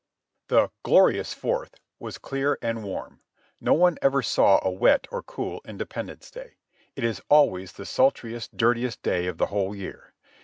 The "Glorious Fourth" was clear and warm ; no one ever saw a wet or cool Independence Day ; it is always the sultriest, dirtiest day of the whole year.